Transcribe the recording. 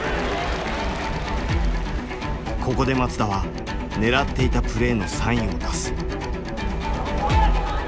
ここで松田は狙っていたプレーのサインを出す。